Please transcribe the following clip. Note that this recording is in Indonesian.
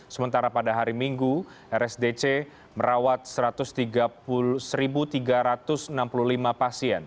sementara pada hari minggu rsdc merawat satu tiga ratus enam puluh lima pasien